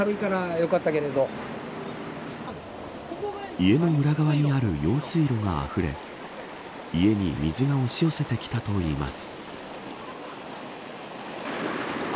家の裏側にある用水路があふれ家に水が押し寄せてきたといいます。